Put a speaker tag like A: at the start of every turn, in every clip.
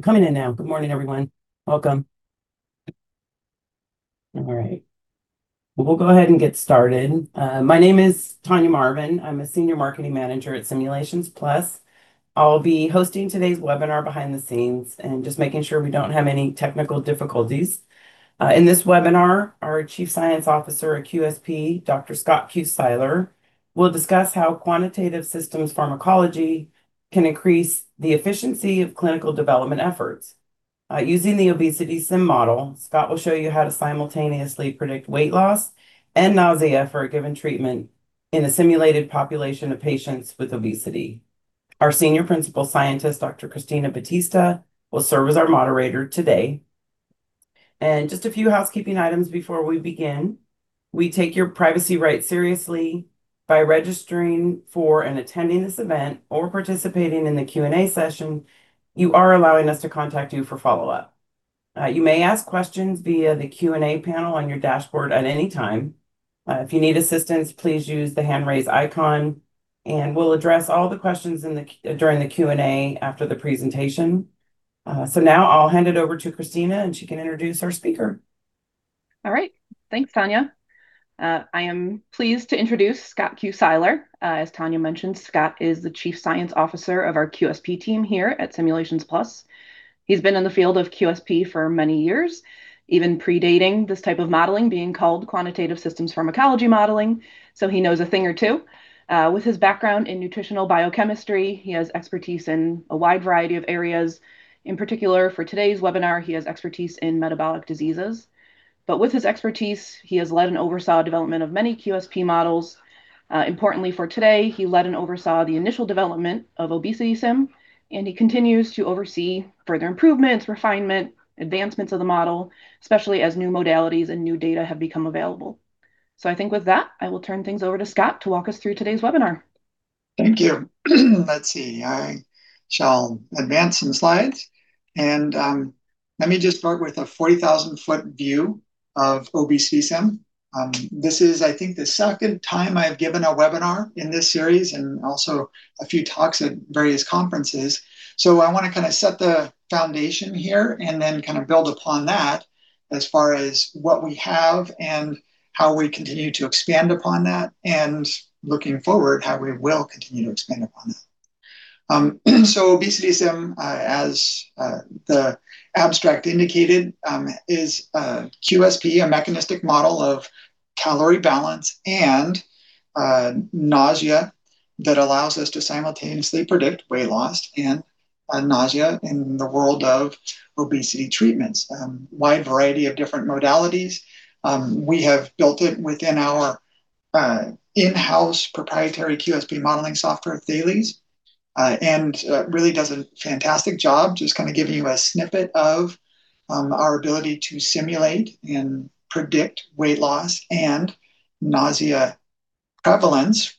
A: I'm coming in now. Good morning, everyone. Welcome. All right. We'll go ahead and get started. My name is Tanya Marvin. I'm a Senior Marketing Manager at Simulations Plus. I'll be hosting today's webinar behind the scenes and just making sure we don't have any technical difficulties. In this webinar, our Chief Science Officer at QSP, Dr. Scott Q. Siler, will discuss how quantitative systems pharmacology can increase the efficiency of clinical development efforts. Using the OBESITYsym model, Scott will show you how to simultaneously predict weight loss and nausea for a given treatment in a simulated population of patients with obesity. Our Senior Principal Scientist, Dr. Christina Battista, will serve as our moderator today. Just a few housekeeping items before we begin. We take your privacy rights seriously. By registering for and attending this event or participating in the Q&A session, you are allowing us to contact you for follow-up. You may ask questions via the Q&A panel on your dashboard at any time. If you need assistance, please use the hand raise icon and we'll address all the questions during the Q&A after the presentation. Now I'll hand it over to Christina and she can introduce our speaker.
B: All right. Thanks, Tanya. I am pleased to introduce Scott Q. Siler. As Tanya mentioned, Scott is the Chief Science Officer of our QSP team here at Simulations Plus. He's been in the field of QSP for many years, even predating this type of modeling being called quantitative systems pharmacology modeling. He knows a thing or two. With his background in nutritional biochemistry, he has expertise in a wide variety of areas. In particular, for today's webinar, he has expertise in metabolic diseases. With his expertise, he has led and oversaw development of many QSP models. Importantly for today, he led and oversaw the initial development of OBESITYsym, and he continues to oversee further improvements, refinement, advancements of the model, especially as new modalities and new data have become available. I think with that, I will turn things over to Scott to walk us through today's webinar.
C: Thank you. Let's see. I shall advance some slides and let me just start with a 40,000-foot view of OBESITYsym. This is, I think, the second time I've given a webinar in this series and also a few talks at various conferences. I want to set the foundation here and then build upon that as far as what we have and how we continue to expand upon that and looking forward, how we will continue to expand upon that. OBESITYsym, as the abstract indicated, is QSP, a mechanistic model of calorie balance and nausea that allows us to simultaneously predict weight loss and nausea in the world of obesity treatments. A wide variety of different modalities. We have built it within our in-house proprietary QSP modeling software, Thales, and it really does a fantastic job just giving you a snippet of our ability to simulate and predict weight loss and nausea prevalence,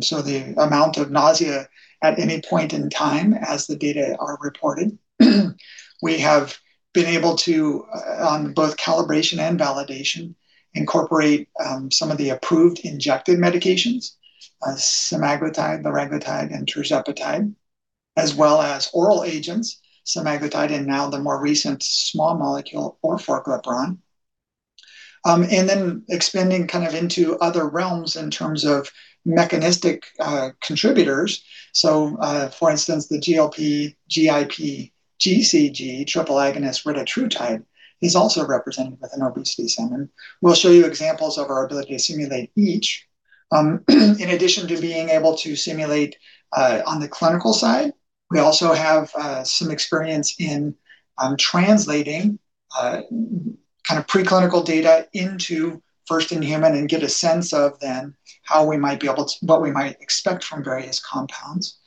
C: so the amount of nausea at any point in time as the data are reported. We have been able to, on both calibration and validation, incorporate some of the approved injected medications, semaglutide, liraglutide, and tirzepatide, as well as oral agents, semaglutide and now the more recent small molecule Orforglipron. Then expanding into other realms in terms of mechanistic contributors. For instance, the GLP-GIP-GCG triple agonist retatrutide is also represented within OBESITYsym. We'll show you examples of our ability to simulate each. In addition to being able to simulate on the clinical side, we also have some experience in translating preclinical data into first-in-human and get a sense of what we might expect from various compounds.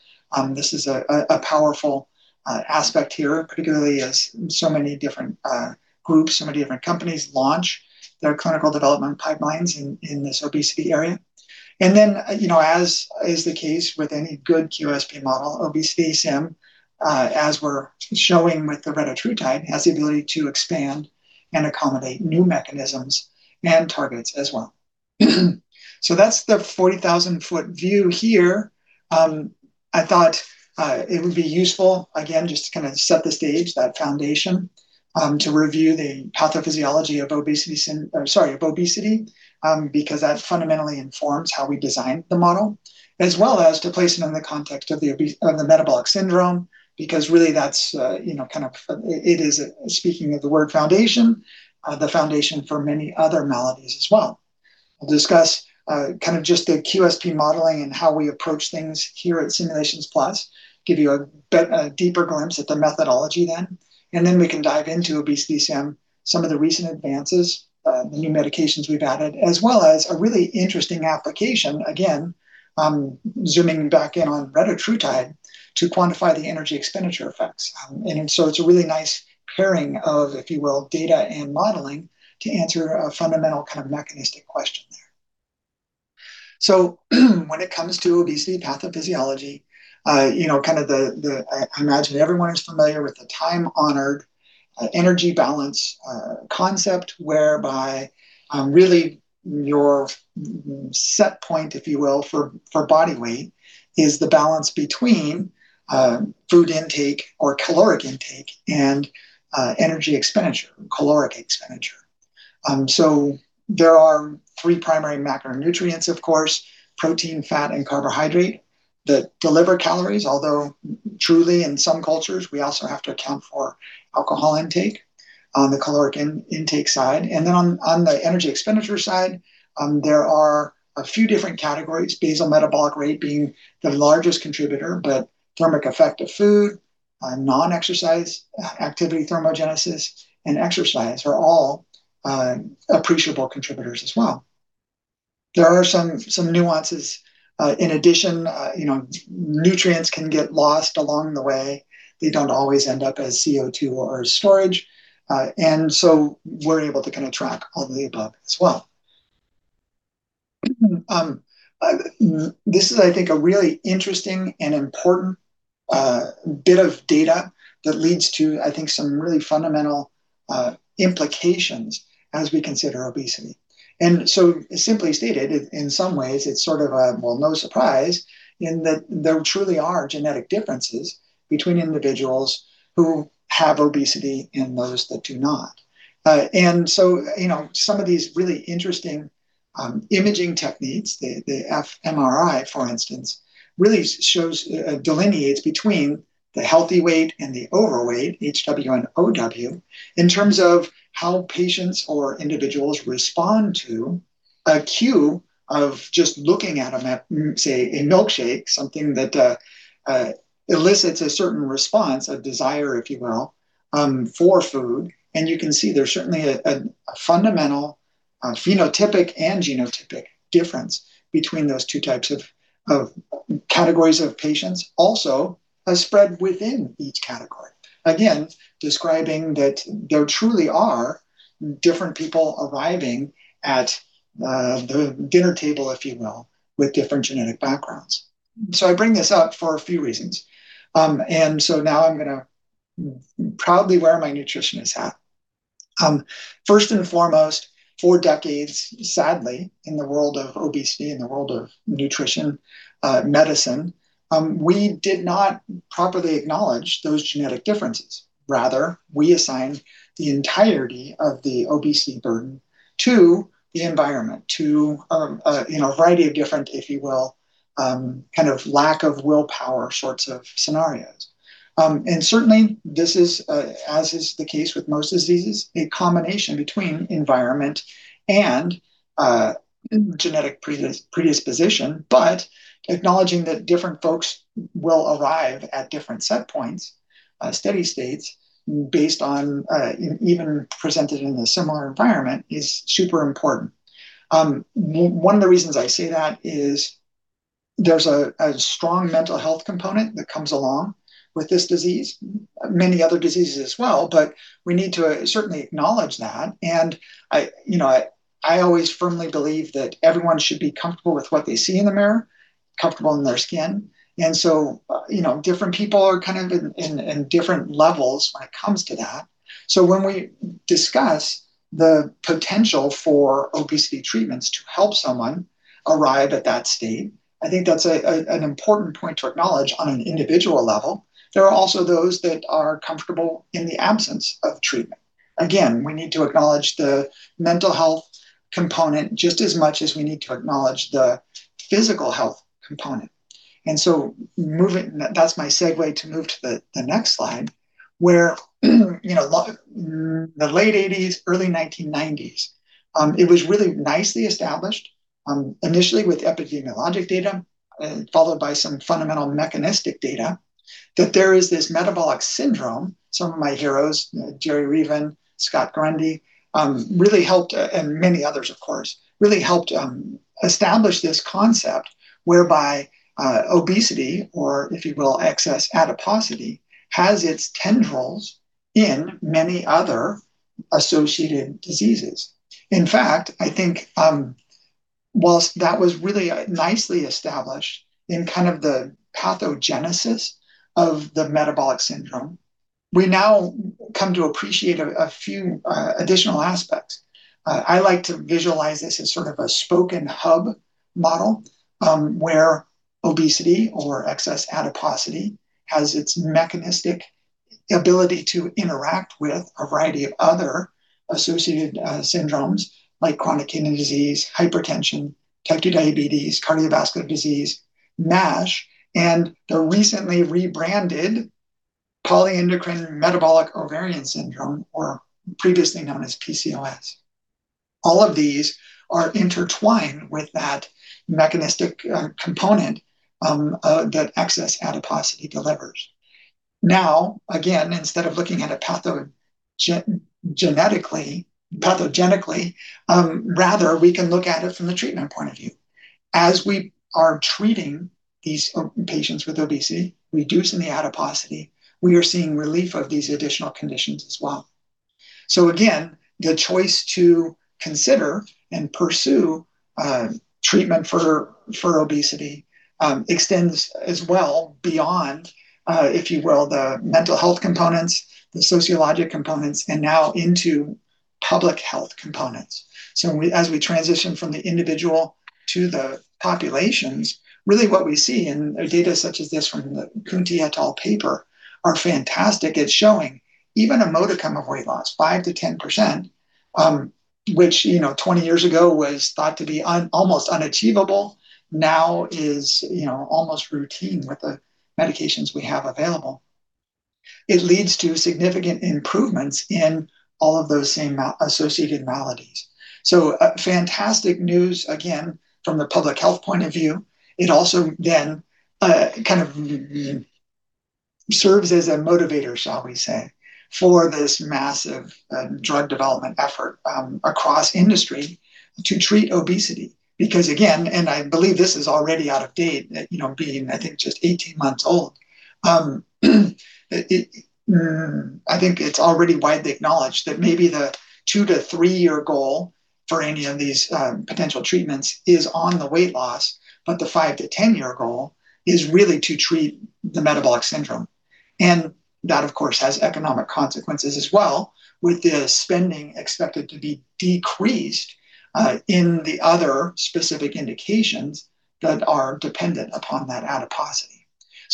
C: This is a powerful aspect here, particularly as so many different groups, so many different companies launch their clinical development pipelines in this obesity area. Then, as is the case with any good QSP model, OBESITYsym, as we're showing with the retatrutide, has the ability to expand and accommodate new mechanisms and targets as well. That's the 40,000-foot view here. I thought it would be useful, again, just to set the stage, that foundation, to review the pathophysiology of obesity because that fundamentally informs how we designed the model, as well as to place it in the context of the metabolic syndrome because really it is, speaking of the word foundation, the foundation for many other maladies as well. I'll discuss just the QSP modeling and how we approach things here at Simulations Plus, give you a deeper glimpse at the methodology then, and then we can dive into OBESITYsym, some of the recent advances, the new medications we've added, as well as a really interesting application, again, zooming back in on retatrutide to quantify the energy expenditure effects. It's a really nice pairing of, if you will, data and modeling to answer a fundamental mechanistic question there. When it comes to obesity pathophysiology, I imagine everyone is familiar with the time-honored Energy balance concept whereby really your set point, if you will, for body weight is the balance between food intake or caloric intake and energy expenditure, caloric expenditure. There are three primary macronutrients, of course, protein, fat, and carbohydrate that deliver calories. Although truly in some cultures, we also have to account for alcohol intake on the caloric intake side. On the energy expenditure side, there are a few different categories, basal metabolic rate being the largest contributor, but thermic effect of food, non-exercise activity thermogenesis, and exercise are all appreciable contributors as well. There are some nuances. In addition, nutrients can get lost along the way. They do not always end up as CO2 or storage. We are able to track all of the above as well. This is, I think, a really interesting and important bit of data that leads to, I think, some really fundamental implications as we consider obesity. Simply stated, in some ways, it is sort of a well, no surprise in that there truly are genetic differences between individuals who have obesity and those that do not. Some of these really interesting imaging techniques, the fMRI, for instance, really delineates between the healthy weight and the overweight, HW and OW, in terms of how patients or individuals respond to a cue of just looking at a map, say a milkshake, something that elicits a certain response, a desire, if you will, for food. You can see there is certainly a fundamental phenotypic and genotypic difference between those two types of categories of patients, also a spread within each category. Again, describing that there truly are different people arriving at the dinner table, if you will, with different genetic backgrounds. I bring this up for a few reasons. Now I am going to proudly wear my nutritionist hat. First and foremost, for decades, sadly, in the world of obesity and the world of nutrition medicine, we did not properly acknowledge those genetic differences. Rather, we assigned the entirety of the obesity burden to the environment, to a variety of different, if you will, kind of lack of willpower sorts of scenarios. Certainly this is, as is the case with most diseases, a combination between environment and genetic predisposition, but acknowledging that different folks will arrive at different set points, steady states based on even presented in a similar environment is super important. One of the reasons I say that is there is a strong mental health component that comes along with this disease, many other diseases as well, but we need to certainly acknowledge that. I always firmly believe that everyone should be comfortable with what they see in the mirror, comfortable in their skin. Different people are in different levels when it comes to that. When we discuss the potential for obesity treatments to help someone arrive at that state, I think that is an important point to acknowledge on an individual level. There are also those that are comfortable in the absence of treatment. Again, we need to acknowledge the mental health component just as much as we need to acknowledge the physical health component. That's my segue to move to the next slide, where the late 1980s, early 1990s, it was really nicely established, initially with epidemiologic data, followed by some fundamental mechanistic data, that there is this metabolic syndrome. Some of my heroes, Jerry Reaven, Scott Grundy, and many others, of course, really helped establish this concept whereby obesity or, if you will, excess adiposity has its tendrils in many other associated diseases. In fact, I think whilst that was really nicely established in kind of the pathogenesis of the metabolic syndrome, we now come to appreciate a few additional aspects. I like to visualize this as sort of a spoken hub model, where obesity or excess adiposity has its mechanistic ability to interact with a variety of other associated syndromes like chronic kidney disease, hypertension, type 2 diabetes, cardiovascular disease, MASH, and the recently rebranded polyendocrine metabolic ovarian syndrome, or previously known as PCOS. All of these are intertwined with that mechanistic component that excess adiposity delivers. Again, instead of looking at it pathogenically, rather we can look at it from the treatment point of view. As we are treating these patients with obesity, reducing the adiposity, we are seeing relief of these additional conditions as well. Again, the choice to consider and pursue treatment for obesity extends as well beyond, if you will, the mental health components, the sociologic components, and now into public health components. As we transition from the individual to the populations, really what we see in data such as this from the Khunti et al. paper are fantastic at showing even a modicum of weight loss, 5%-10%, which 20 years ago was thought to be almost unachievable, now is almost routine with the medications we have available. It leads to significant improvements in all of those same associated maladies. Fantastic news, again, from the public health point of view. It also then kind of serves as a motivator, shall we say, for this massive drug development effort across industry to treat obesity. I believe this is already out of date, being I think just 18 months old. I think it's already widely acknowledged that maybe the two to three-year goal for any of these potential treatments is on the weight loss, but the five to 10-year goal is really to treat the metabolic syndrome. That, of course, has economic consequences as well, with the spending expected to be decreased in the other specific indications that are dependent upon that adiposity.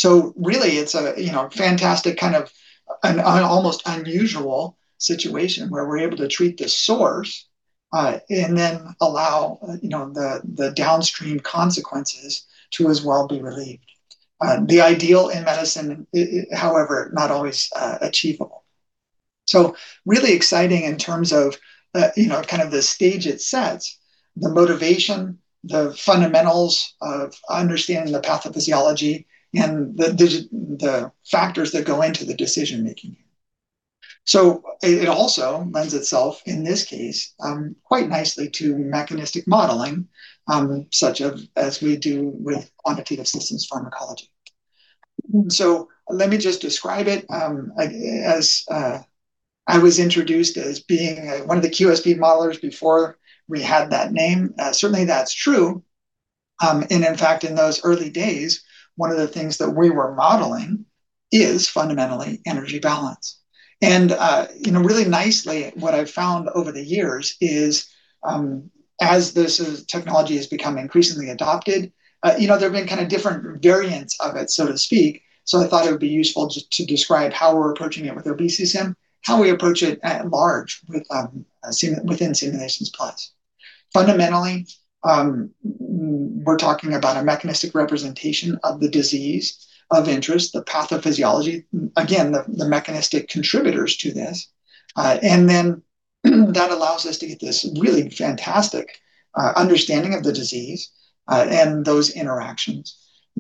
C: Really it's a fantastic, an almost unusual situation where we're able to treat the source, and then allow the downstream consequences to as well be relieved. The ideal in medicine, however, not always achievable. Really exciting in terms of the stage it sets, the motivation, the fundamentals of understanding the pathophysiology and the factors that go into the decision making. It also lends itself, in this case, quite nicely to mechanistic modeling, such as we do with quantitative systems pharmacology. Let me just describe it. As I was introduced as being one of the QSP modelers before we had that name. Certainly, that's true. In fact, in those early days, one of the things that we were modeling is fundamentally energy balance. Really nicely, what I've found over the years is, as this technology has become increasingly adopted, there have been different variants of it, so to speak. I thought it would be useful to describe how we're approaching it with OBESITYsym, how we approach it at large within Simulations Plus. Fundamentally, we're talking about a mechanistic representation of the disease of interest, the pathophysiology, again, the mechanistic contributors to this. That allows us to get this really fantastic understanding of the disease, and those interactions.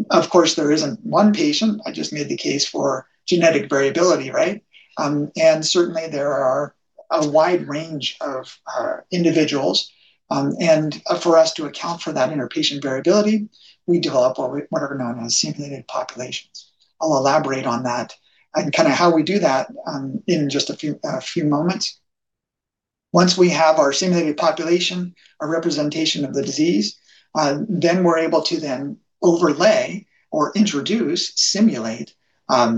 C: Of course, there isn't one patient. I just made the case for genetic variability, right? Certainly, there are a wide range of individuals. For us to account for that inter-patient variability, we develop what are known as simulated populations. I'll elaborate on that and how we do that in just a few moments. Once we have our simulated population, our representation of the disease, we're able to then overlay or introduce, simulate,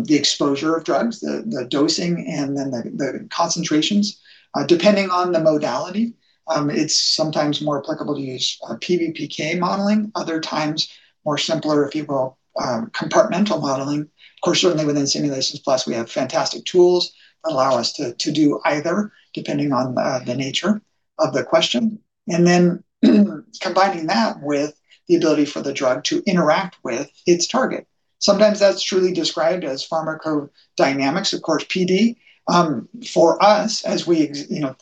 C: the exposure of drugs, the dosing, and the concentrations. Depending on the modality, it's sometimes more applicable to use PBPK modeling, other times more simpler, if you will, compartmental modeling. Of course, certainly within Simulations Plus, we have fantastic tools that allow us to do either, depending on the nature of the question. Combining that with the ability for the drug to interact with its target. Sometimes that's truly described as pharmacodynamics, of course, PD. For us, as we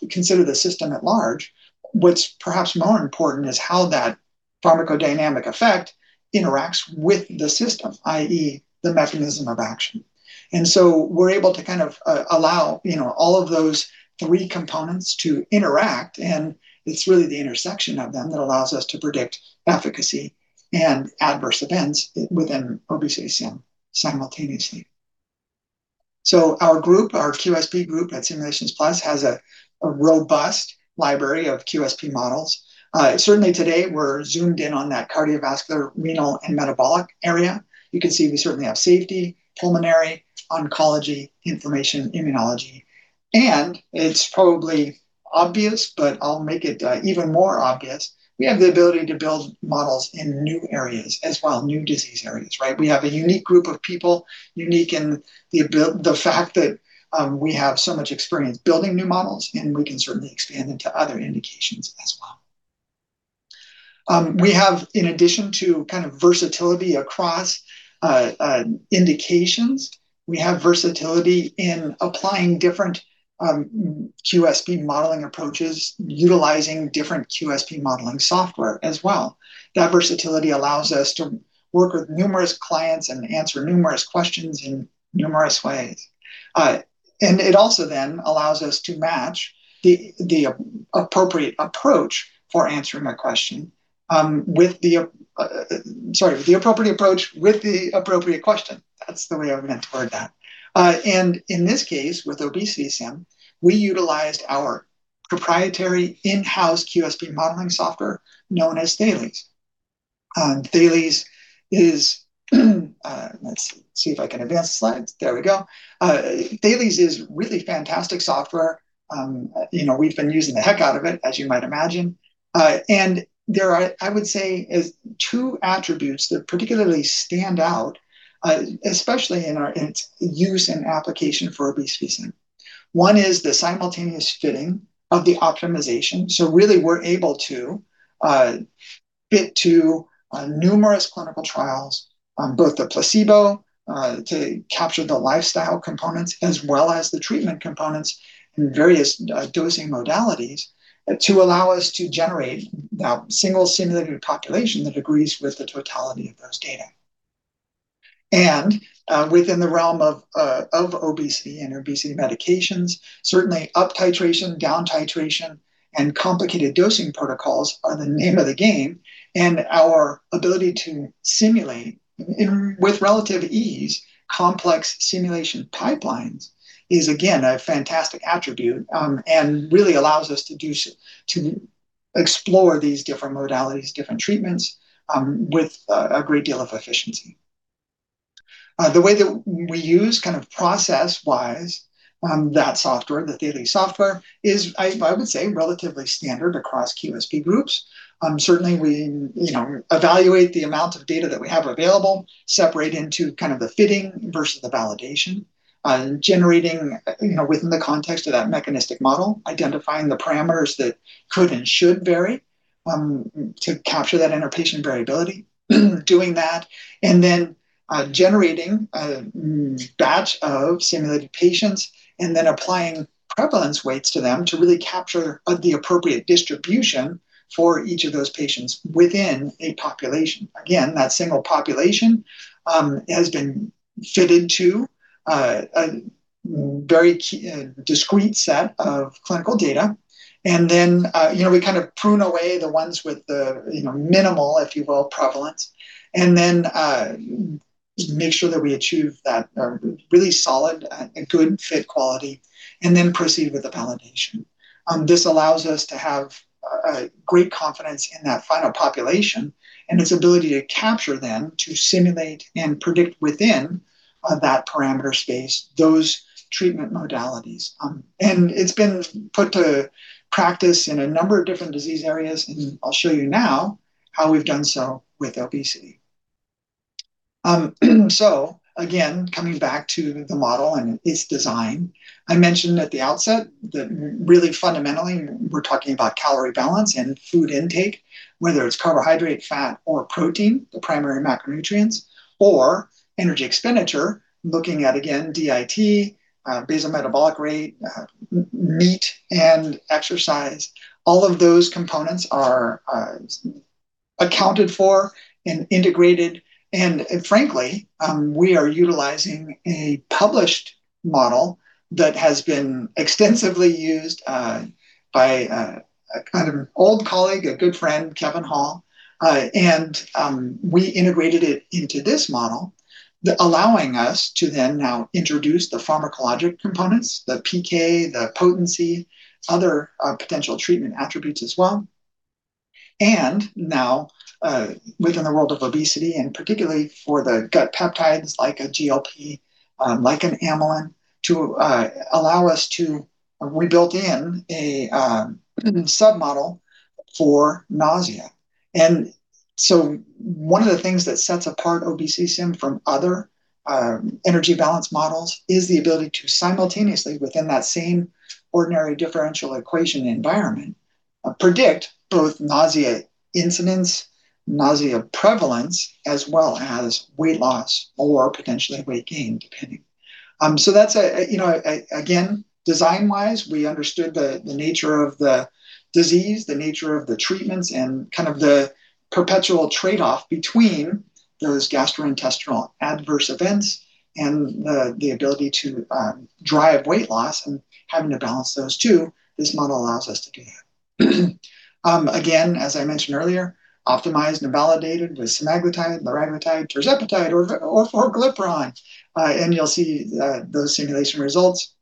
C: consider the system at large, what's perhaps more important is how that pharmacodynamic effect interacts with the system, i.e., the mechanism of action. We're able to allow all of those three components to interact, and it's really the intersection of them that allows us to predict efficacy and adverse events within OBESITYsym simultaneously. Our group, our QSP group at Simulations Plus, has a robust library of QSP models. Certainly, today we're zoomed in on that cardiovascular, renal, and metabolic area. You can see we certainly have safety, pulmonary, oncology, inflammation, immunology. It's probably obvious, but I'll make it even more obvious. We have the ability to build models in new areas as well, new disease areas, right? We have a unique group of people, unique in the fact that we have so much experience building new models, we can certainly expand into other indications as well. We have, in addition to versatility across indications, we have versatility in applying different QSP modeling approaches, utilizing different QSP modeling software as well. That versatility allows us to work with numerous clients and answer numerous questions in numerous ways. It also then allows us to match the appropriate approach for answering a question With the appropriate approach, with the appropriate question. That's the way I meant to word that. In this case, with OBESITYsym, we utilized our proprietary in-house QSP modeling software known as Thales. Let's see if I can advance the slides. There we go. Thales is really fantastic software. We've been using the heck out of it, as you might imagine. There are, I would say, two attributes that particularly stand out, especially in its use and application for OBESITYsym. One is the simultaneous fitting of the optimization. Really, we're able to fit to numerous clinical trials on both the placebo, to capture the lifestyle components, as well as the treatment components and various dosing modalities to allow us to generate that single simulated population that agrees with the totality of those data. Within the realm of obesity and obesity medications, certainly up titration, down titration, and complicated dosing protocols are the name of the game, and our ability to simulate with relative ease complex simulation pipelines is, again, a fantastic attribute, and really allows us to explore these different modalities, different treatments, with a great deal of efficiency. The way that we use process-wise, that software, the Thales software, is I would say relatively standard across QSP groups. Certainly we evaluate the amount of data that we have available, separate into the fitting versus the validation, generating within the context of that mechanistic model, identifying the parameters that could and should vary, to capture that inter-patient variability, doing that, and then generating a batch of simulated patients and then applying prevalence weights to them to really capture the appropriate distribution for each of those patients within a population. Again, that single population has been fitted to a very discrete set of clinical data. Then we prune away the ones with the minimal, if you will, prevalence and then make sure that we achieve that really solid and good fit quality and then proceed with the validation. This allows us to have great confidence in that final population and its ability to capture then, to simulate and predict within that parameter space, those treatment modalities. It's been put to practice in a number of different disease areas, and I'll show you now how we've done so with obesity. Again, coming back to the model and its design, I mentioned at the outset that really fundamentally, we're talking about calorie balance and food intake, whether it's carbohydrate, fat, or protein, the primary macronutrients, or energy expenditure, looking at, again, DIT, basal metabolic rate, NEAT, and exercise. All of those components are accounted for and integrated. Frankly, we are utilizing a published model that has been extensively used by an old colleague, a good friend, Kevin Hall. We integrated it into this model, allowing us to then now introduce the pharmacologic components, the PK, the potency, other potential treatment attributes as well. Now, within the world of obesity, and particularly for the gut peptides like a GLP, like an amylin, to allow us to rebuild in a sub-model for nausea. One of the things that sets apart OBESITYsym from other energy balance models is the ability to simultaneously, within that same ordinary differential equation environment, predict both nausea incidence, nausea prevalence, as well as weight loss or potentially weight gain, depending. Again, design-wise, we understood the nature of the disease, the nature of the treatments, and the perpetual trade-off between those gastrointestinal adverse events and the ability to drive weight loss and having to balance those two. This model allows us to do that. As I mentioned earlier, optimized and validated with semaglutide, liraglutide, tirzepatide, Orforglipron. You'll see those simulation results.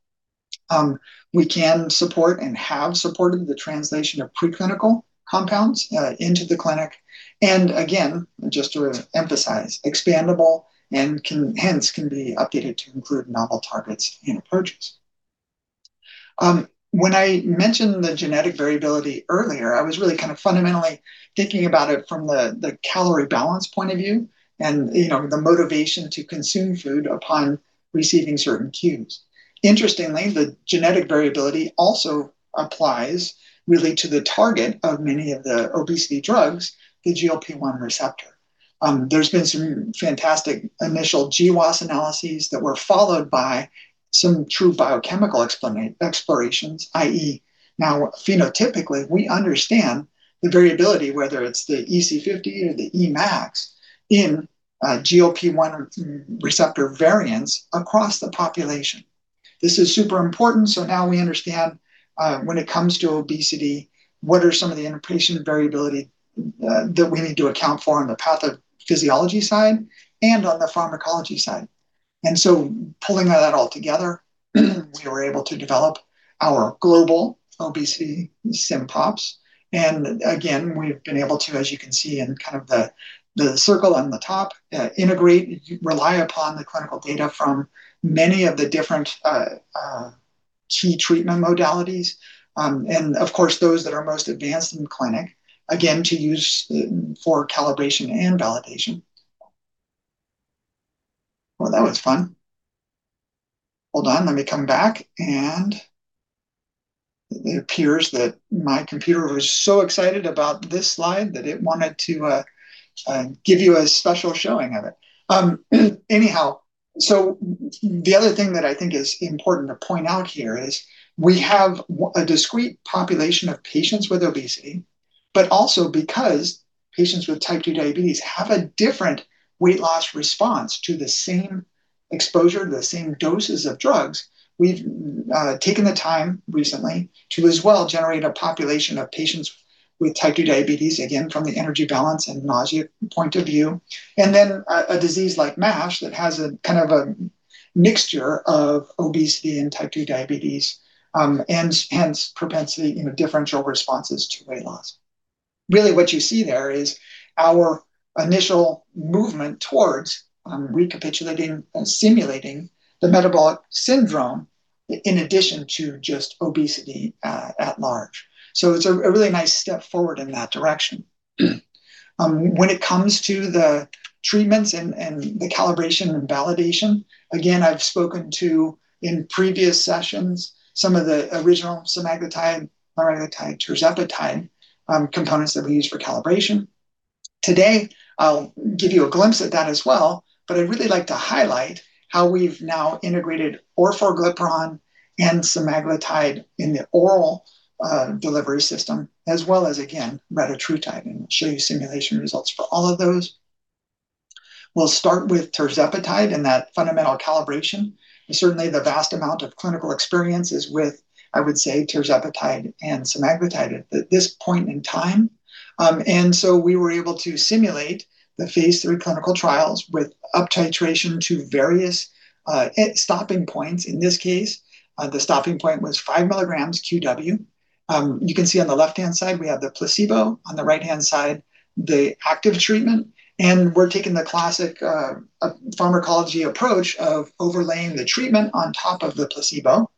C: We can support and have supported the translation of preclinical compounds into the clinic. Again, just to emphasize, expandable and hence can be updated to include novel targets and approaches. When I mentioned the genetic variability earlier, I was really fundamentally thinking about it from the calorie balance point of view and the motivation to consume food upon receiving certain cues. Interestingly, the genetic variability also applies really to the target of many of the obesity drugs, the GLP-1 receptor. There's been some fantastic initial GWAS analyses that were followed by some true biochemical explorations, i.e., now phenotypically, we understand the variability, whether it's the EC50 or the Emax in GLP-1 receptor variants across the population. This is super important. Now we understand when it comes to obesity, what are some of the interpatient variability that we need to account for on the pathophysiology side and on the pharmacology side. Pulling that all together, we were able to develop our global OBESITYsym Pops. Again, we've been able to, as you can see in the circle on the top, integrate, rely upon the clinical data from many of the different key treatment modalities. Of course, those that are most advanced in the clinic, again, to use for calibration and validation. Well, that was fun. Hold on. Let me come back and it appears that my computer was so excited about this slide that it wanted to give you a special showing of it. The other thing that I think is important to point out here is we have a discrete population of patients with obesity, but also because patients with type 2 diabetes have a different weight loss response to the same exposure, the same doses of drugs. We've taken the time recently to as well generate a population of patients with type 2 diabetes, again, from the energy balance and nausea point of view, and then a disease like MASH that has a mixture of obesity and type 2 diabetes, and hence propensity in the differential responses to weight loss. Really what you see there is our initial movement towards recapitulating and simulating the metabolic syndrome in addition to just obesity at large. It's a really nice step forward in that direction. When it comes to the treatments and the calibration and validation, again, I've spoken to, in previous sessions, some of the original semaglutide, liraglutide, tirzepatide components that we use for calibration. Today, I'll give you a glimpse at that as well, but I'd really like to highlight how we've now integrated Orforglipron and semaglutide in the oral delivery system, as well as, again, retatrutide, and show you simulation results for all of those. We'll start with tirzepatide and that fundamental calibration. Certainly, the vast amount of clinical experience is with, I would say, tirzepatide and semaglutide at this point in time. We were able to simulate the phase III clinical trials with up titration to various stopping points. In this case, the stopping point was 5 mg QW. You can see on the left-hand side, we have the placebo, on the right-hand side, the active treatment, and we're taking the classic pharmacology approach of overlaying the treatment on top of the placebo.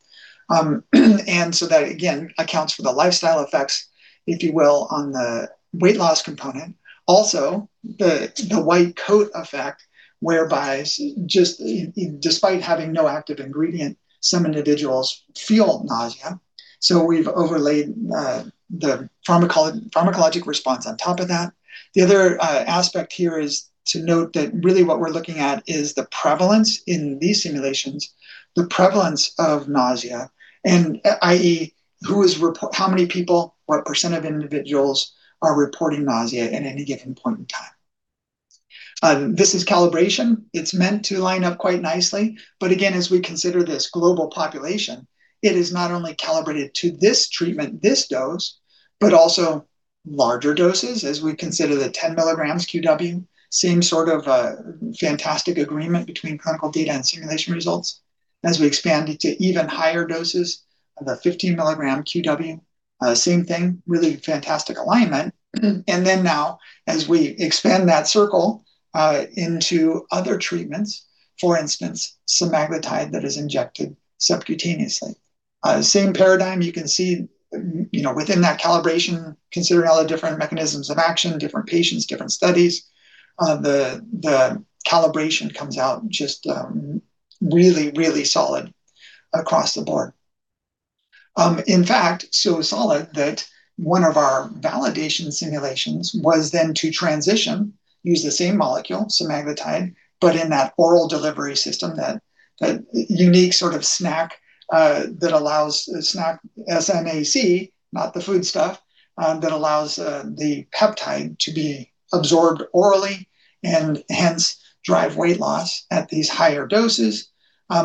C: So that, again, accounts for the lifestyle effects, if you will, on the weight loss component. Also, the white coat effect, whereby despite having no active ingredient, some individuals feel nausea. So we've overlaid the pharmacologic response on top of that. The other aspect here is to note that really what we're looking at is the prevalence in these simulations, the prevalence of nausea and i.e., how many people, what percent of individuals are reporting nausea at any given point in time. This is calibration. It's meant to line up quite nicely. Again, as we consider this global population, it is not only calibrated to this treatment, this dose, but also larger doses as we consider the 10 mg QW. Same sort of fantastic agreement between clinical data and simulation results. As we expand it to even higher doses, the 15-mg QW, same thing, really fantastic alignment. Now as we expand that circle into other treatments, for instance, semaglutide that is injected subcutaneously. Same paradigm you can see within that calibration, considering all the different mechanisms of action, different patients, different studies. The calibration comes out just really, really solid across the board. In fact, so solid that one of our validation simulations was then to transition, use the same molecule, semaglutide, but in that oral delivery system, that unique sort of SNAC, S-N-A-C, not the foodstuff, that allows the peptide to be absorbed orally and hence drive weight loss at these higher doses,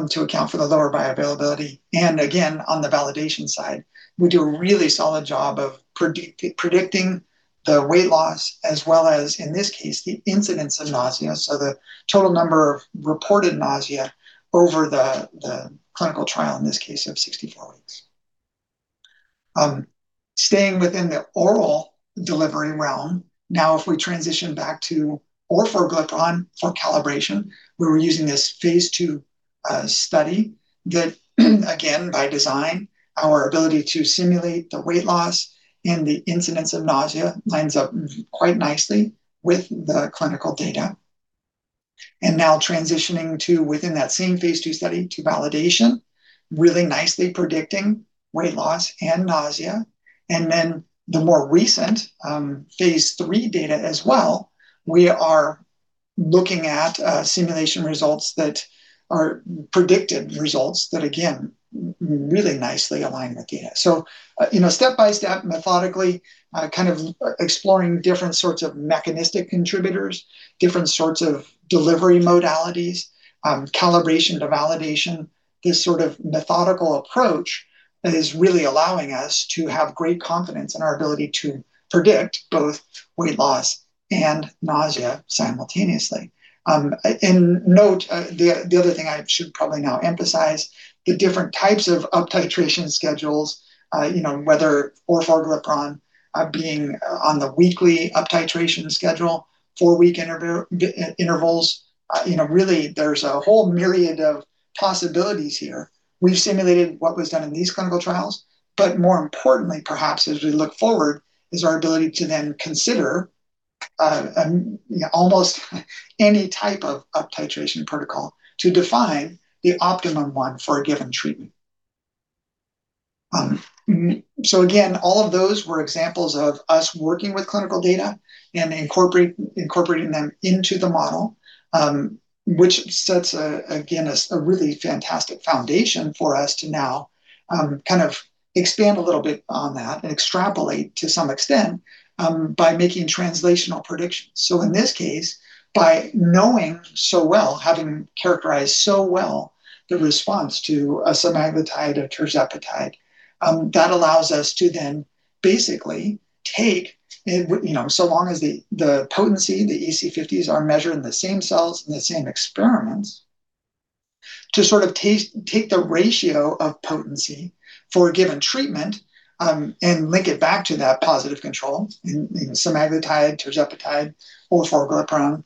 C: to account for the lower bioavailability. Again, on the validation side, we do a really solid job of predicting the weight loss as well as, in this case, the incidence of nausea. So the total number of reported nausea over the clinical trial, in this case of 64 weeks. Staying within the oral delivery realm, now if we transition back to Orforglipron for calibration, we were using this phase II study that, again, by design, our ability to simulate the weight loss and the incidence of nausea lines up quite nicely with the clinical data. Now transitioning to within that same phase II study to validation, really nicely predicting weight loss and nausea. The more recent phase III data as well. We are looking at simulation results that are predicted results that again really nicely aligned with data. Step by step, methodically, exploring different sorts of mechanistic contributors, different sorts of delivery modalities, calibration to validation. This sort of methodical approach that is really allowing us to have great confidence in our ability to predict both weight loss and nausea simultaneously. Note, the other thing I should probably now emphasize, the different types of uptitration schedules, whether Orforglipron being on the weekly uptitration schedule, four-week intervals. Really, there's a whole myriad of possibilities here. We've simulated what was done in these clinical trials. More importantly, perhaps as we look forward, is our ability to then consider almost any type of uptitration protocol to define the optimum one for a given treatment. Again, all of those were examples of us working with clinical data and incorporating them into the model, which sets a really fantastic foundation for us to now expand a little bit on that and extrapolate to some extent by making translational predictions. In this case, by knowing so well, having characterized so well the response to a semaglutide, a tirzepatide, that allows us to then basically take, so long as the potency, the EC50s are measured in the same cells, in the same experiments, to take the ratio of potency for a given treatment, and link it back to that positive control in semaglutide, tirzepatide, Orforglipron,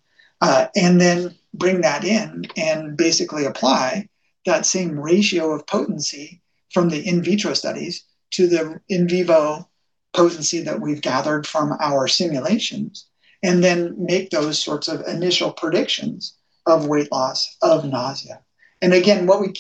C: and then bring that in and basically apply that same ratio of potency from the in vitro studies to the in vivo potency that we've gathered from our simulations, and then make those sorts of initial predictions of weight loss, of nausea. Again, what we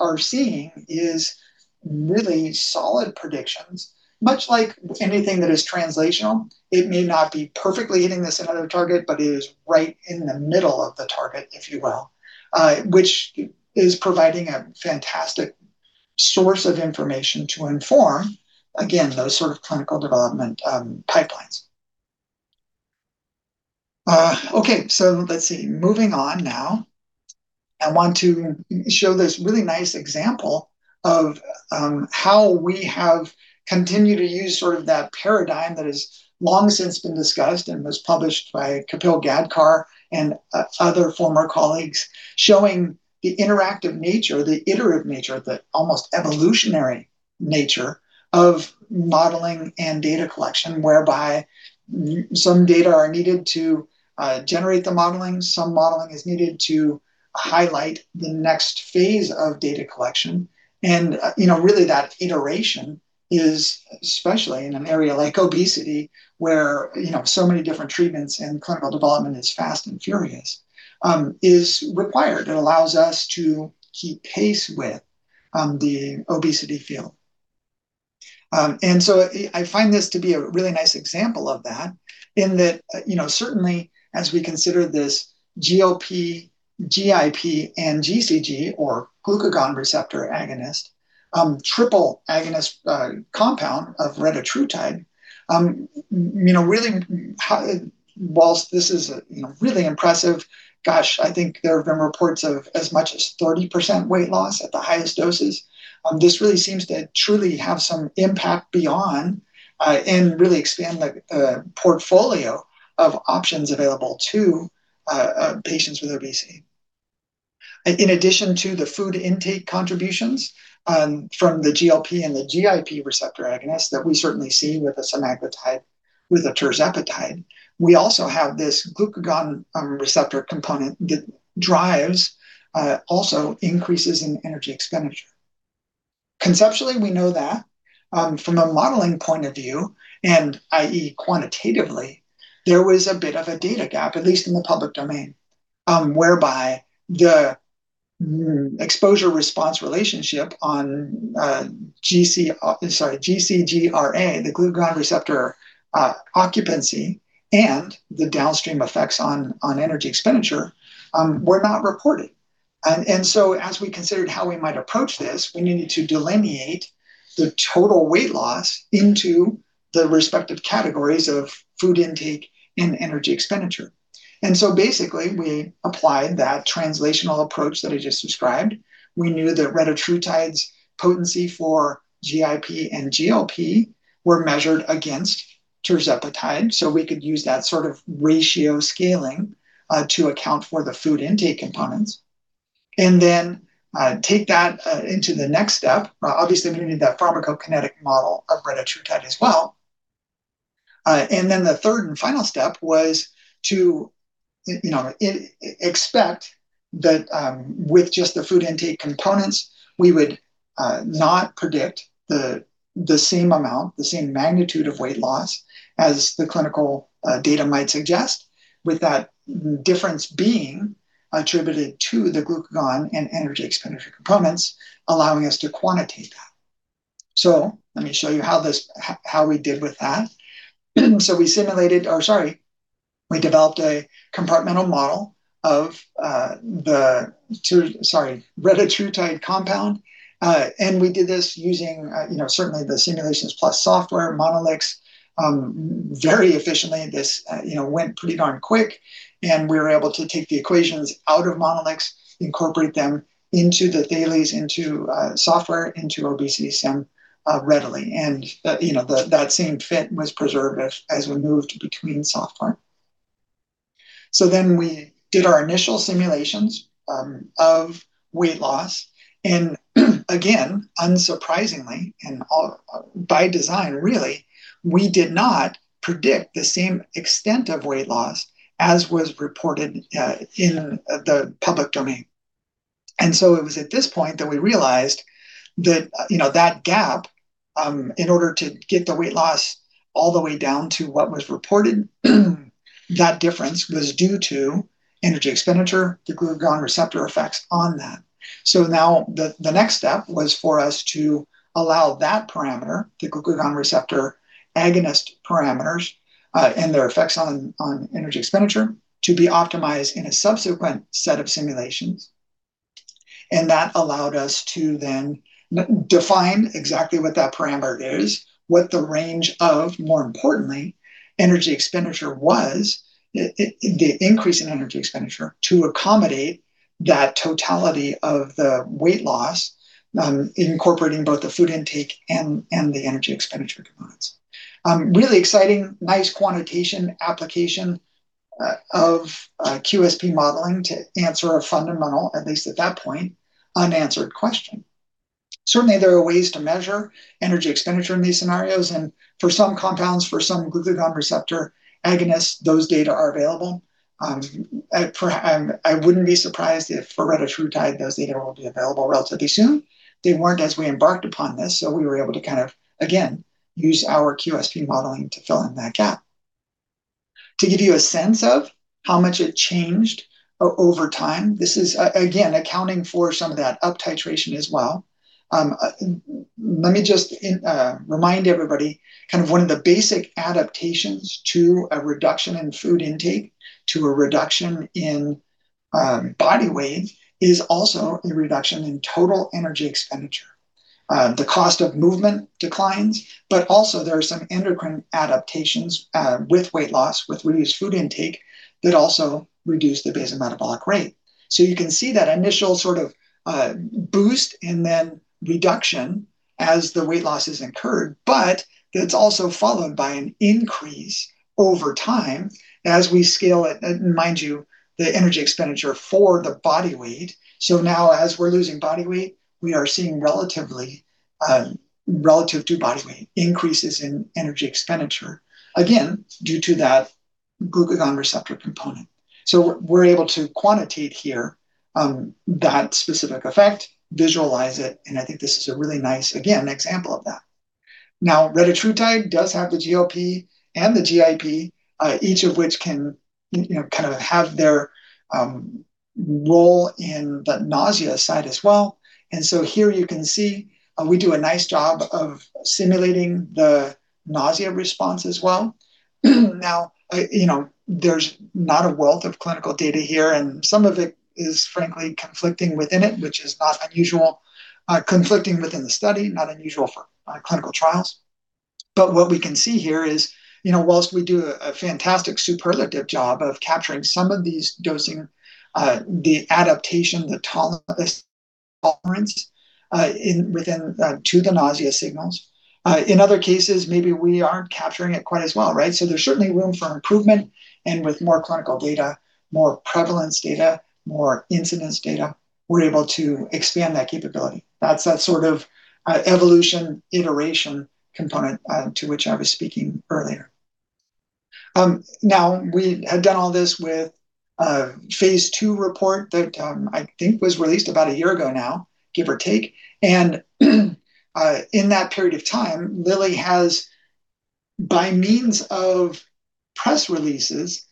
C: are seeing is really solid predictions. Much like anything that is translational, it may not be perfectly hitting the center of the target, but it is right in the middle of the target, if you will, which is providing a fantastic source of information to inform, again, those sort of clinical development pipelines. Let's see. Moving on now, I want to show this really nice example of how we have continued to use that paradigm that has long since been discussed and was published by Kapil Gadkar and other former colleagues, showing the interactive nature, the iterative nature, the almost evolutionary nature of modeling and data collection, whereby some data are needed to generate the modeling, some modeling is needed to highlight the next phase of data collection. Really that iteration is, especially in an area like obesity where so many different treatments and clinical development is fast and furious, is required. It allows us to keep pace with the obesity field. I find this to be a really nice example of that in that, certainly as we consider this GLP, GIP, and GCG, or glucagon receptor agonist, triple agonist compound of retatrutide. Whilst this is really impressive, gosh, I think there have been reports of as much as 30% weight loss at the highest doses. This really seems to truly have some impact beyond, and really expand the portfolio of options available to patients with obesity. In addition to the food intake contributions from the GLP and the GIP receptor agonists that we certainly see with a semaglutide, with a tirzepatide, we also have this glucagon receptor component that drives also increases in energy expenditure. Conceptually, we know that from a modeling point of view and, i.e., quantitatively, there was a bit of a data gap, at least in the public domain, whereby the exposure response relationship on GCGRA, the glucagon receptor occupancy, and the downstream effects on energy expenditure were not reported. As we considered how we might approach this, we needed to delineate the total weight loss into the respective categories of food intake and energy expenditure. Basically, we applied that translational approach that I just described. We knew that retatrutide's potency for GIP and GLP were measured against tirzepatide. We could use that sort of ratio scaling to account for the food intake components. Take that into the next step. Obviously, we need that pharmacokinetic model of retatrutide as well. The third and final step was to expect that with just the food intake components, we would not predict the same amount, the same magnitude of weight loss as the clinical data might suggest, with that difference being attributed to the glucagon and energy expenditure components allowing us to quantitate that. Let me show you how we did with that. We developed a compartmental model of the retatrutide compound. We did this using certainly the Simulations Plus software, Monolix, very efficiently. This went pretty darn quick and we were able to take the equations out of Monolix, incorporate them into the Thales, into software, into OBESITYsym readily. That same fit was preserved as we moved between software. We did our initial simulations of weight loss. Again, unsurprisingly and by design really, we did not predict the same extent of weight loss as was reported in the public domain. It was at this point that we realized that gap, in order to get the weight loss all the way down to what was reported, that difference was due to energy expenditure, the glucagon receptor effects on that. Now the next step was for us to allow that parameter, the glucagon receptor agonist parameters, and their effects on energy expenditure to be optimized in a subsequent set of simulations. That allowed us to then define exactly what that parameter is, what the range of, more importantly, energy expenditure was. The increase in energy expenditure to accommodate that totality of the weight loss, incorporating both the food intake and the energy expenditure components. Really exciting, nice quantitation application of QSP modeling to answer a fundamental, at least at that point, unanswered question. Certainly, there are ways to measure energy expenditure in these scenarios, and for some compounds, for some glucagon receptor agonists, those data are available. I wouldn't be surprised if for retatrutide, those data will be available relatively soon. They weren't as we embarked upon this, we were able to, again, use our QSP modeling to fill in that gap. To give you a sense of how much it changed over time, this is again accounting for some of that uptitration as well. Let me just remind everybody, one of the basic adaptations to a reduction in food intake, to a reduction in body weight, is also a reduction in total energy expenditure. The cost of movement declines, there are some endocrine adaptations with weight loss, with reduced food intake that also reduce the basal metabolic rate. You can see that initial sort of boost and then reduction as the weight loss is incurred. That's also followed by an increase over time as we scale it, and mind you, the energy expenditure for the body weight. As we're losing body weight, we are seeing relative to body weight, increases in energy expenditure, again, due to that glucagon receptor component. We're able to quantitate here that specific effect, visualize it, I think this is a really nice, again, example of that. Retatrutide does have the GLP and the GIP, each of which can have their role in the nausea side as well. Here you can see we do a nice job of simulating the nausea response as well. There's not a wealth of clinical data here, and some of it is frankly conflicting within it, which is not unusual. Conflicting within the study, not unusual for clinical trials. What we can see here is, whilst we do a fantastic, superlative job of capturing some of these dosing, the adaptation, the tolerance to the nausea signals. In other cases, maybe we aren't capturing it quite as well, right? There's certainly room for improvement and with more clinical data, more prevalence data, more incidence data, we're able to expand that capability. That's that sort of evolution iteration component to which I was speaking earlier. We have done all this with a phase II report that I think was released about a year ago now, give or take. In that period of time, Lilly has, by means of press releases,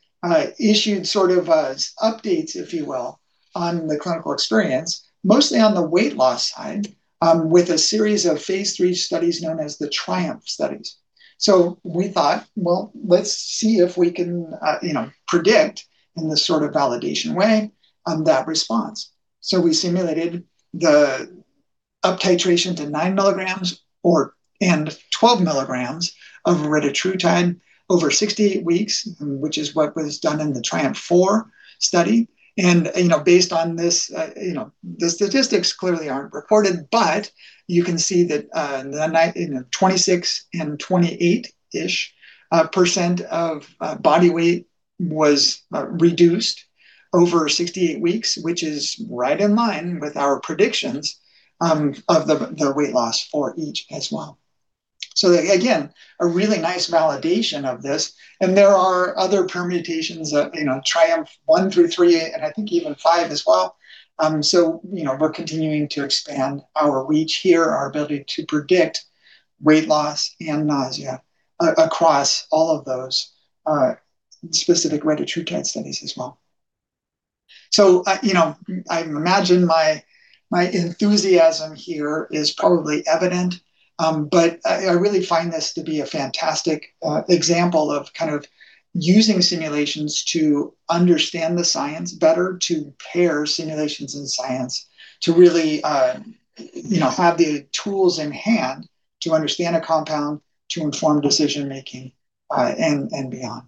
C: issued sort of updates, if you will, on the clinical experience, mostly on the weight loss side, with a series of phase III studies known as the TRIUMPH studies. We thought, well, let's see if we can predict in this sort of validation way that response. We simulated the uptitration to 9 mg and 12 m of retatrutide over 68 weeks, which is what was done in the TRIUMPH-4 study. Based on this, the statistics clearly aren't reported, but you can see that 26% and 28-ish% of body weight was reduced over 68 weeks, which is right in line with our predictions of the weight loss for each as well. Again, a really nice validation of this. There are other permutations, TRIUMPH 1 through three, and I think even five as well. We're continuing to expand our reach here, our ability to predict weight loss and nausea, across all of those specific retatrutide studies as well. I imagine my enthusiasm here is probably evident. I really find this to be a fantastic example of using simulations to understand the science better, to pair simulations and science, to really have the tools in hand to understand a compound, to inform decision-making, and beyond.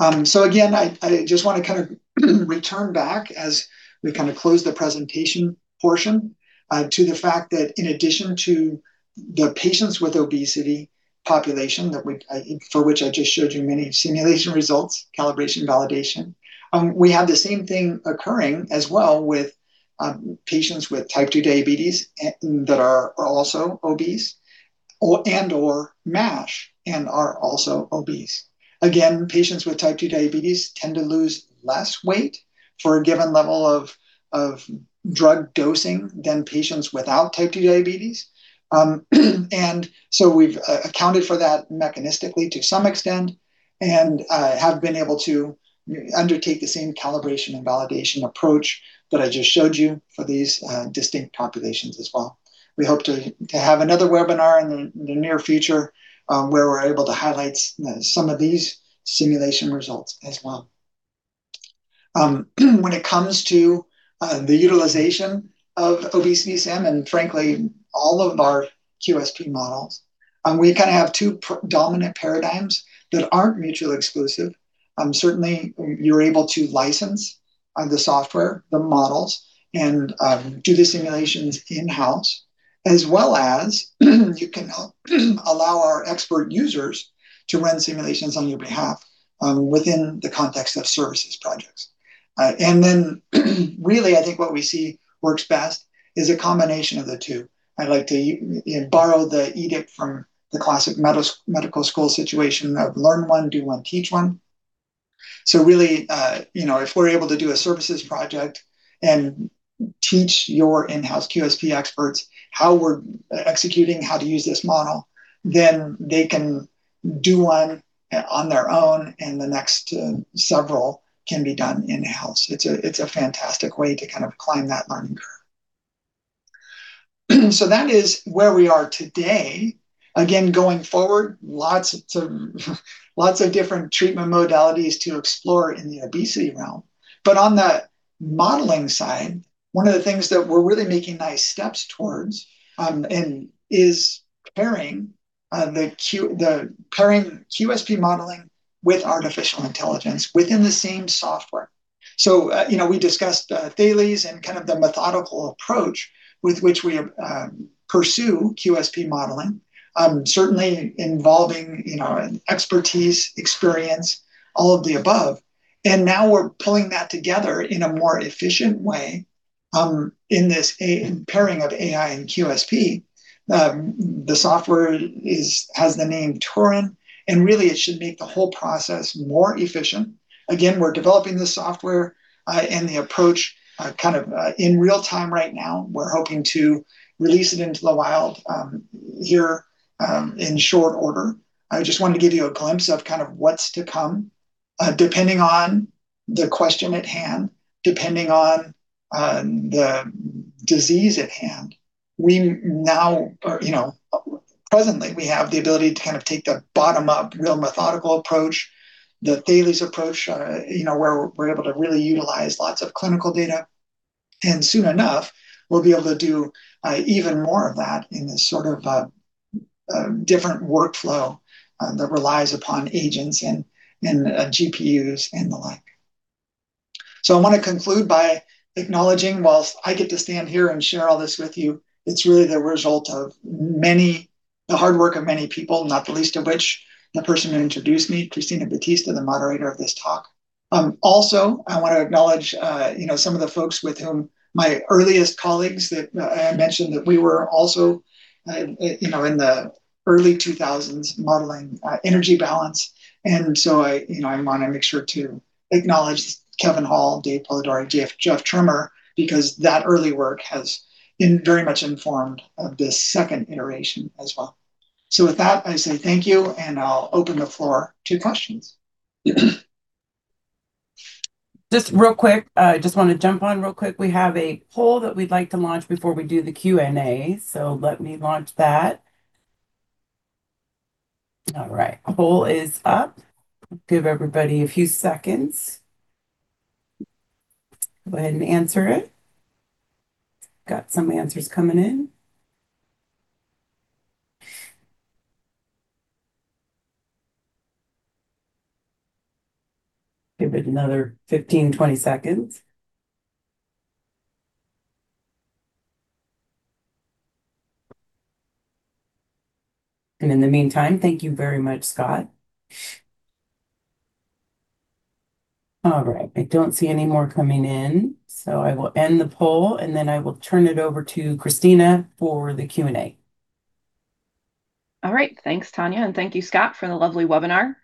C: Again, I just want to return back as we close the presentation portion, to the fact that in addition to the patients with obesity population, for which I just showed you many simulation results, calibration, validation. We have the same thing occurring as well with patients with type 2 diabetes that are also obese and/or MASH and are also obese. Patients with type 2 diabetes tend to lose less weight for a given level of drug dosing than patients without type 2 diabetes. We've accounted for that mechanistically to some extent and have been able to undertake the same calibration and validation approach that I just showed you for these distinct populations as well. We hope to have another webinar in the near future, where we're able to highlight some of these simulation results as well. When it comes to the utilization of OBESITYsym, and frankly, all of our QSP models, we have two dominant paradigms that aren't mutually exclusive. Certainly, you're able to license the software, the models, and do the simulations in-house, as well as you can allow our expert users to run simulations on your behalf, within the context of services projects. Really, I think what we see works best is a combination of the two. I'd like to borrow the edict from the classic medical school situation of learn one, do one, teach one. Really, if we're able to do a services project and teach your in-house QSP experts how we're executing, how to use this model, then they can do one on their own, and the next several can be done in-house. It's a fantastic way to climb that learning curve. That is where we are today. Going forward, lots of different treatment modalities to explore in the obesity realm. On the modeling side, one of the things that we're really making nice steps towards is pairing QSP modeling with artificial intelligence within the same software. We discussed Thales and the methodical approach with which we pursue QSP modeling. Certainly involving expertise, experience, all of the above. Now we're pulling that together in a more efficient way in this pairing of AI and QSP. The software has the name Turing, and really it should make the whole process more efficient. We're developing the software and the approach in real time right now. We're hoping to release it into the wild here in short order. I just wanted to give you a glimpse of what's to come. Depending on the question at hand, depending on the disease at hand. Presently, we have the ability to take the bottom-up, real methodical approach, the Thales approach, where we're able to really utilize lots of clinical data. Soon enough, we'll be able to do even more of that in this sort of different workflow that relies upon agents and GPUs and the like. I want to conclude by acknowledging, while I get to stand here and share all this with you, it's really the result of the hard work of many people, not the least of which, the person who introduced me, Christina Battista, the moderator of this talk. Also, I want to acknowledge some of the folks with whom my earliest colleagues that I mentioned, that we were also in the early 2000s modeling energy balance. I want to make sure to acknowledge Kevin Hall, Dave Polidori, Jeff Trimmer, because that early work has very much informed this second iteration as well. With that, I say thank you, and I'll open the floor to questions.
A: Just real quick. I just want to jump on real quick. We have a poll that we'd like to launch before we do the Q&A. Let me launch that. All right. Poll is up. Give everybody a few seconds. Go ahead and answer it. Got some answers coming in. Give it another 15, 20 seconds. In the meantime, thank you very much, Scott. All right. I don't see any more coming in, so I will end the poll, and then I will turn it over to Christina Battista for the Q&A.
B: All right. Thanks, Tanya, and thank you, Scott, for the lovely webinar.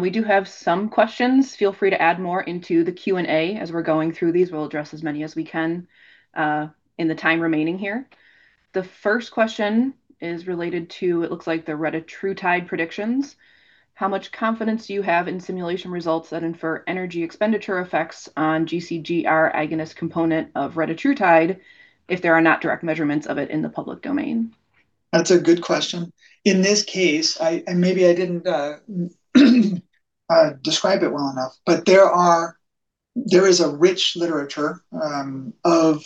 B: We do have some questions. Feel free to add more into the Q&A as we're going through these. We'll address as many as we can in the time remaining here. The first question is related to, it looks like the retatrutide predictions. How much confidence do you have in simulation results that infer energy expenditure effects on GCGR agonist component of retatrutide if there are not direct measurements of it in the public domain?
C: That's a good question. In this case, and maybe I didn't describe it well enough, but there is a rich literature of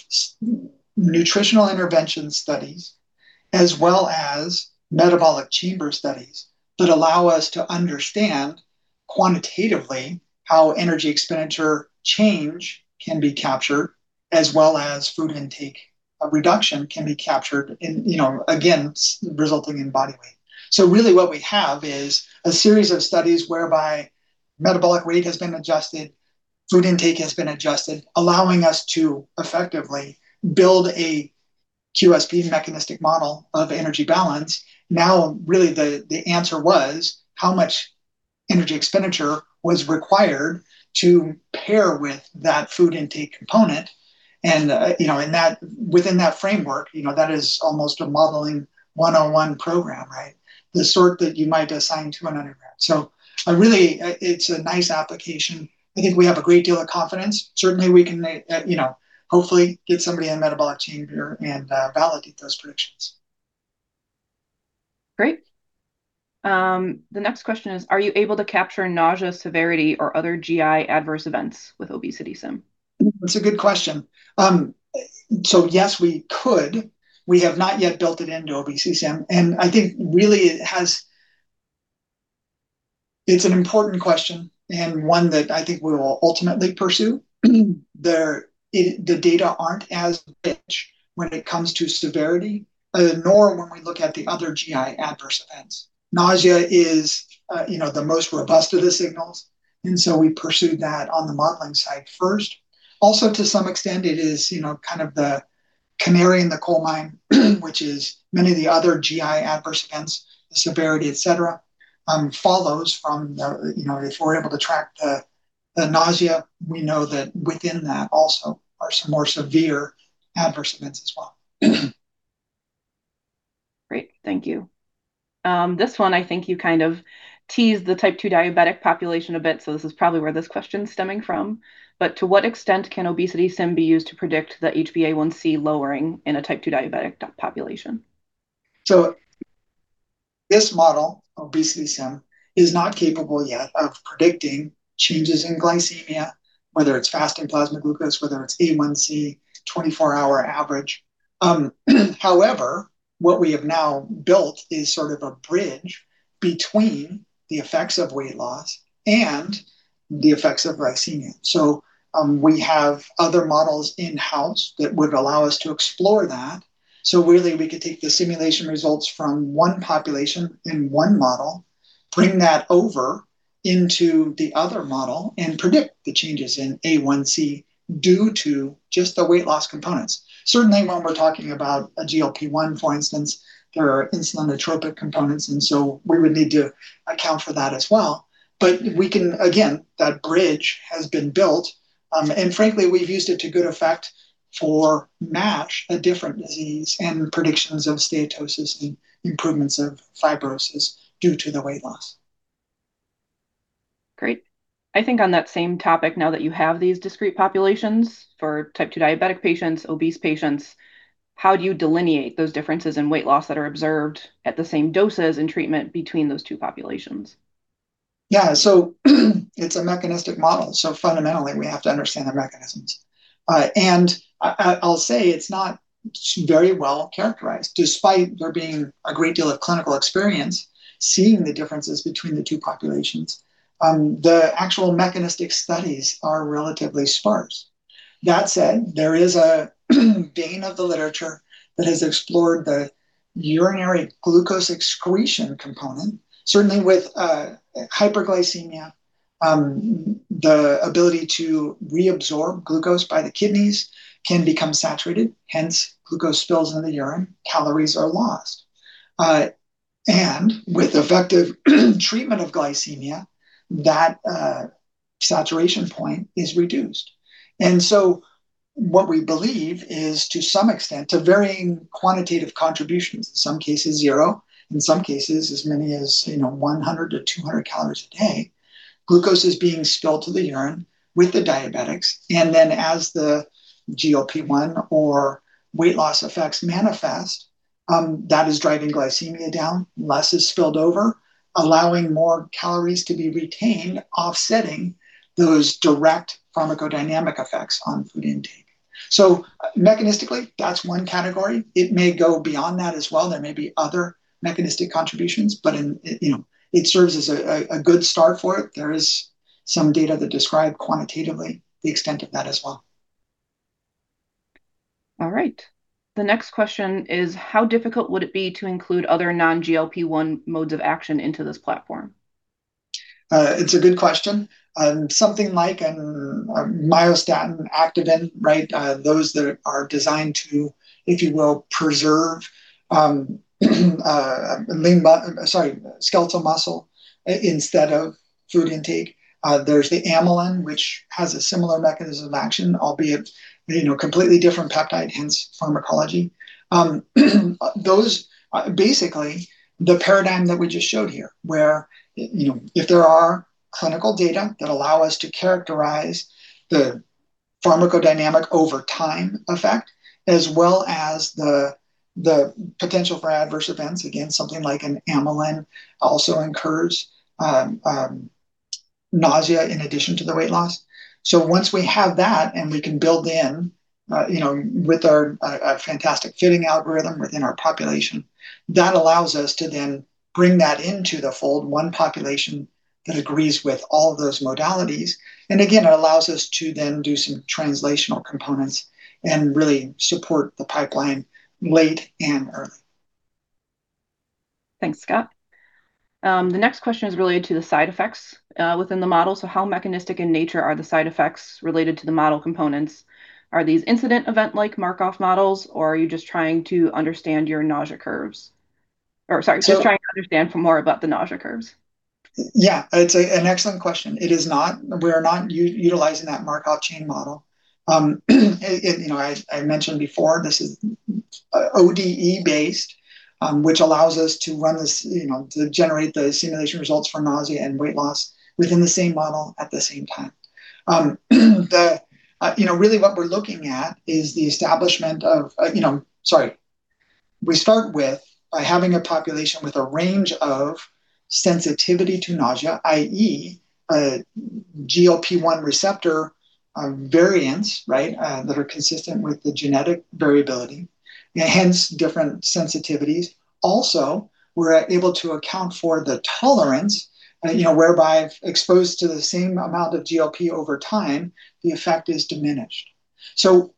C: nutritional intervention studies as well as metabolic chamber studies that allow us to understand quantitatively how energy expenditure change can be captured, as well as food intake reduction can be captured, again, resulting in body weight. Really what we have is a series of studies whereby metabolic rate has been adjusted, food intake has been adjusted, allowing us to effectively build a QSP mechanistic model of energy balance. Now, really the answer was how much energy expenditure was required to pair with that food intake component and within that framework, that is almost a modeling 101 program. The sort that you might assign to an undergrad. Really, it's a nice application. I think we have a great deal of confidence. Certainly, we can hopefully get somebody in a metabolic chamber and validate those predictions.
B: Great. The next question is, are you able to capture nausea severity or other GI adverse events with OBESITYsym?
C: Yes, we could. We have not yet built it into OBESITYsym, I think really it's an important question and one that I think we will ultimately pursue. The data aren't as rich when it comes to severity, nor when we look at the other GI adverse events. Nausea is the most robust of the signals, we pursued that on the modeling side first. Also, to some extent, it is the canary in the coal mine, which is many of the other GI adverse events, the severity, et cetera, follows. If we're able to track the nausea, we know that within that also are some more severe adverse events as well.
B: Great. Thank you. This one, I think you kind of teased the type 2 diabetic population a bit, this is probably where this question's stemming from. To what extent can OBESITYsym be used to predict the HbA1c lowering in a type 2 diabetic population?
C: This model, OBESITYsym, is not capable yet of predicting changes in glycemia, whether it's fasting plasma glucose, whether it's A1c, 24-hour average. However, what we have now built is sort of a bridge between the effects of weight loss and the effects of glycemia. We have other models in-house that would allow us to explore that. Really, we could take the simulation results from one population in one model, bring that over into the other model, and predict the changes in A1c due to just the weight loss components. Certainly, when we're talking about a GLP-1, for instance, there are insulinotropic components, we would need to account for that as well. Again, that bridge has been built. Frankly, we've used it to good effect for MASH, a different disease, and predictions of steatosis and improvements of fibrosis due to the weight loss.
B: Great. I think on that same topic, now that you have these discrete populations for type 2 diabetic patients, obese patients, how do you delineate those differences in weight loss that are observed at the same doses and treatment between those two populations?
C: It's a mechanistic model, so fundamentally, we have to understand the mechanisms. I'll say it's not very well characterized. Despite there being a great deal of clinical experience seeing the differences between the two populations. The actual mechanistic studies are relatively sparse. That said, there is a vein of the literature that has explored the urinary glucose excretion component. Certainly, with hyperglycemia, the ability to reabsorb glucose by the kidneys can become saturated, hence glucose spills into the urine, calories are lost. With effective treatment of glycemia, that saturation point is reduced. What we believe is, to some extent, to varying quantitative contributions, in some cases zero, in some cases as many as 100-200 calories a day, glucose is being spilled to the urine with the diabetics. As the GLP-1 or weight loss effects manifest, that is driving glycemia down. Less is spilled over, allowing more calories to be retained, offsetting those direct pharmacodynamic effects on food intake. Mechanistically, that's one category. It may go beyond that as well. There may be other mechanistic contributions, but it serves as a good start for it. There is some data that describe quantitatively the extent of that as well.
B: All right. The next question is, how difficult would it be to include other non GLP-1 modes of action into this platform?
C: It's a good question. Something like a myostatin activin, right? Those that are designed to, if you will, preserve skeletal muscle instead of food intake. There's the amylin, which has a similar mechanism of action, albeit completely different peptide, hence pharmacology. Those are basically the paradigm that we just showed here, where if there are clinical data that allow us to characterize the pharmacodynamic over time effect as well as the potential for adverse events. Again, something like an amylin also incurs nausea in addition to the weight loss. Once we have that, and we can build in with our fantastic fitting algorithm within our population, that allows us to then bring that into the fold. One population that agrees with all of those modalities. Again, it allows us to then do some translational components and really support the pipeline late and early.
B: Thanks, Scott. The next question is related to the side effects within the model. How mechanistic in nature are the side effects related to the model components? Are these incident event like Markov models, or are you just trying to understand your nausea curves? Sorry, just trying to understand more about the nausea curves.
C: Yeah. It's an excellent question. We're not utilizing that Markov chain model. I mentioned before, this is ODE based, which allows us to generate the simulation results for nausea and weight loss within the same model at the same time. Really what we're looking at is Sorry. We start with by having a population with a range of sensitivity to nausea, i.e., GLP-1 receptor variants that are consistent with the genetic variability, hence different sensitivities. Also, we're able to account for the tolerance, whereby exposed to the same amount of GLP over time, the effect is diminished.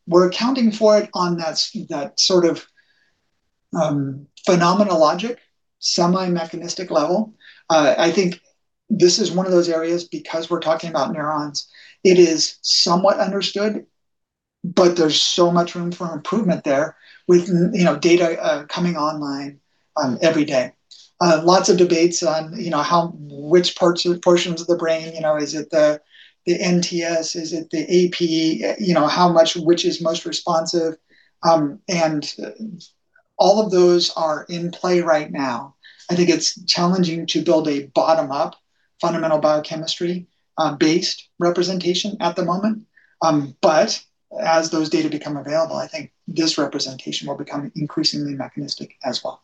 C: We're accounting for it on that sort of phenomenologic semi-mechanistic level. I think this is one of those areas, because we're talking about neurons, it is somewhat understood, but there's so much room for improvement there with data coming online every day. Lots of debates on which portions of the brain. Is it the NTS, is it the AP? Which is most responsive? All of those are in play right now. I think it's challenging to build a bottom-up fundamental biochemistry-based representation at the moment. As those data become available, I think this representation will become increasingly mechanistic as well.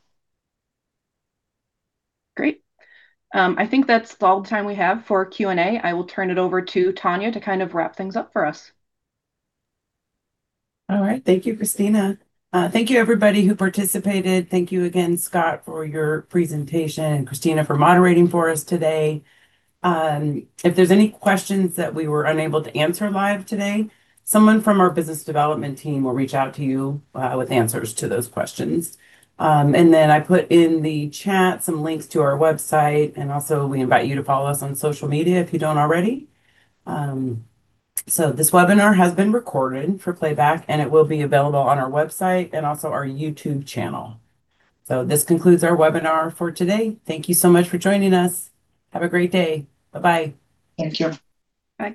B: Great. I think that's all the time we have for Q&A. I will turn it over to Tanya to wrap things up for us.
A: All right. Thank you, Christina. Thank you everybody who participated. Thank you again, Scott, for your presentation, and Christina for moderating for us today. If there's any questions that we were unable to answer live today, someone from our business development team will reach out to you with answers to those questions. I put in the chat some links to our website, and also we invite you to follow us on social media if you don't already. This webinar has been recorded for playback, and it will be available on our website and also our YouTube channel. This concludes our webinar for today. Thank you so much for joining us. Have a great day. Bye-bye.
C: Thank you.